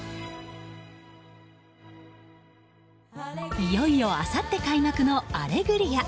いよいよ、あさって開幕の「アレグリア」。